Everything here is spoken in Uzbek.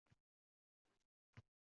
Ular orasida Aziz Qayumov bor edilar